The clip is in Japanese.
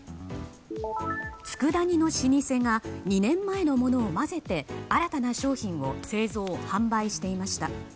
つくだ煮の老舗が２年前のものを混ぜて新たな商品を製造・販売していました。